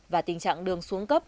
và tình trạng đường xuống cấp